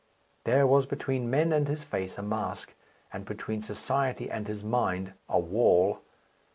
There was between men and his face a mask, and between society and his mind a wall.